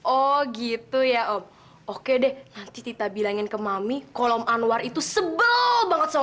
oh gitu ya om oke deh nanti tita bilangin ke mami kolom anwar itu sebel banget sama